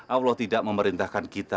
allah tidak memerintahkan kita